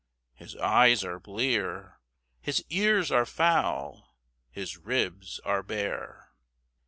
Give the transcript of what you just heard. "His eyes are blear!" "His ears are foul!" "His ribs are bare!"